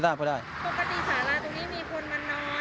ปกติสามารถตรงนี้มีคนมานอนมาห้ามห่วงรถอะไรไหมคะ